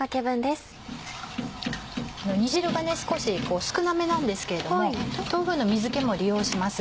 煮汁が少し少なめなんですけれども豆腐の水気も利用します。